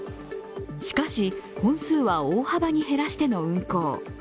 しかし、本数は大幅に減らしての運行。